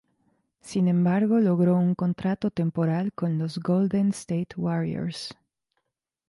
Sin embargo, logró un contrato temporal con los Golden State Warriors.